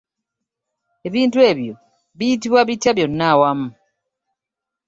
Ebintu ebyo biyitibwa bitya byonna awamu?